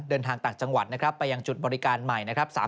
เดินทางต่างจังหวัดไปยังจุดบริการใหม่